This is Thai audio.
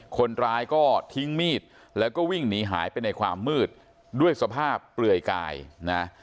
คนร้ายก็ทิ้งมีดแล้วก็วิ่งหนีหายไปในความมืดด้วยสภาพเปลือยกายนะ